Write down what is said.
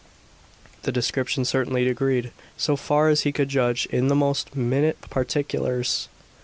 The description certainly agreed, so far as he could judge, in the most minute particulars.